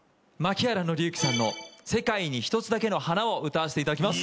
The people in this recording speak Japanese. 槇原敬之さんの『世界に一つだけの花』を歌わせていただきます。